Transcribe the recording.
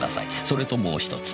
「それとももう１つ。